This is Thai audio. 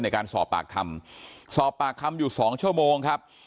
ในการสอบปากคำสอบปากคำอยู่สองชั่วโมงครับ